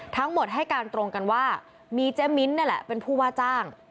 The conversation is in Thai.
ทั้งหมดให้การตรงกันว่ามีเจ๊มิ้นท์นี่แหละเป็นผู้ว่าจ้าง